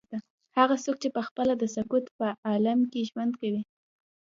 هغه څوک چې پخپله د سکوت په عالم کې ژوند کوي.